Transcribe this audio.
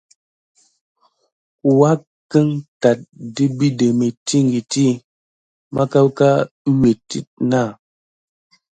Wuake táte ɗe biɗé mintikiti mà kilva net dik na.